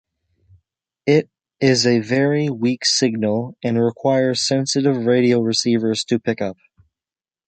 It is a very weak signal, and requires sensitive radio receivers to pick up.